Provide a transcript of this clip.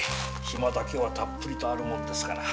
暇だけはたっぷりとあるものですから。